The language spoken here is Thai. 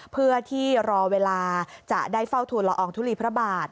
เพื่อที่รอเวลาจะได้เฝ้าทุนละอองทุลีพระบาท